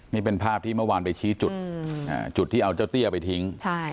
นี่เป็นภาพที่เมื่อวานไปชี้จุดจุดที่เอาเจ้าเตี้ยไปทิ้ง